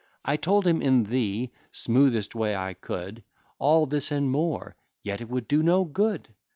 I told him in the smoothest way I could, All this, and more, yet it would do no good.